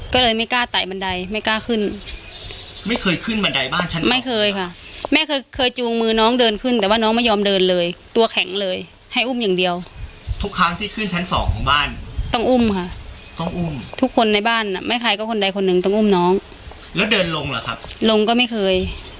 ก็คนใดคนหนึ่งต้องอุ้มน้องแล้วเดินลงเหรอครับลงก็ไม่เคย